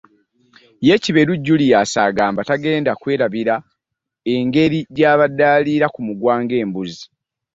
Ye Kiberu Julius agamba tagenda kwerabira engeri gy'abadde aliira ku muguwa ng'embuzi